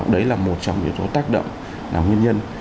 đấy là một trong yếu tố tác động là nguyên nhân